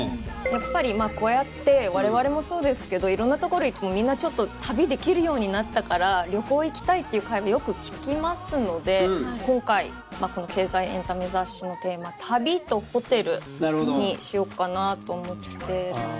やっぱりこうやって我々もそうですけどいろんな所みんな旅できるようになったから旅行行きたいって会話よく聞きますので今回経済エンタメ雑誌のテーマ「旅とホテル」にしよっかなと思ってて。